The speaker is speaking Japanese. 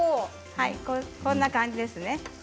こんな感じですね